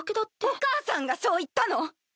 お母さんがそう言ったの？